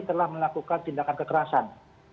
telah melakukan tindakan kekerasan